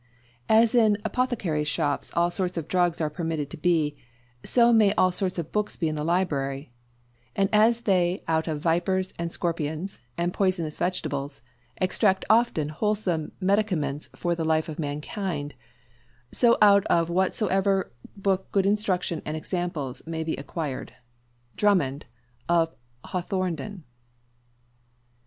As in apothecaries' shops all sorts of drugs are permitted to be, so may all sorts of books be in the library; and as they out of vipers, and scorpions, and poisonous vegetables extract often wholesome medicaments for the life of mankind, so out of whatsoever book good instruction and examples may be acquired." DRUMMOND _of Hawthornden.